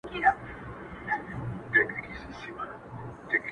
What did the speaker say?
چې انتظار یې کاوه